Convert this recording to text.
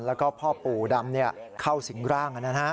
แล้วก็พ่อปู่ดำเข้าสิงร่าง